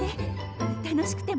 楽しくても節度。